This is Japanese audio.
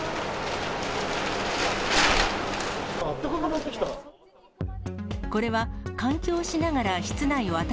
あったかくなってきた。